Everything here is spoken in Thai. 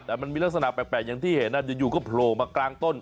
แต่มันมีลักษณะแปลกอย่างที่เห็นอยู่ก็โผล่มากลางต้น